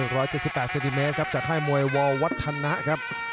ส่วนศูนย์๑๗๘เซติเมตรครับจากไข้มวยวอลวัฒนะครับ